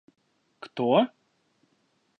– Кто?